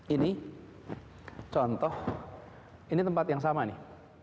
ini contoh ini tempat yang sama nih